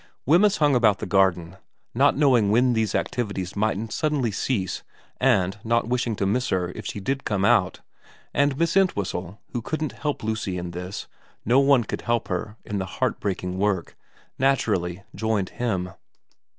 Wemyss hung about the garden, not knowing when these activities mightn't suddenly cease and not wishing to miss her if she did come out, and Miss Entwhistle, who couldn't help Lucy in this no one could help her in the heart breaking work naturally joined him.